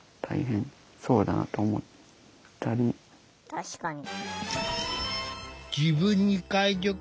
確かに。